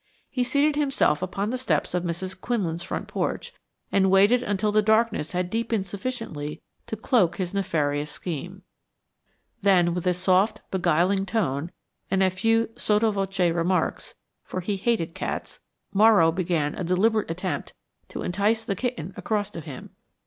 He seated himself upon the steps of Mrs. Quinlan's front porch and waited until the darkness had deepened sufficiently to cloak his nefarious scheme. Then, with soft beguiling tone and a few sotto voce remarks, for he hated cats Morrow began a deliberate attempt to entice the kitten across to him.